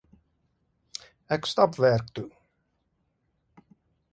Ek stap werk toe